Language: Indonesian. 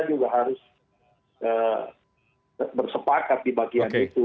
juga harus bersepakat di bagian itu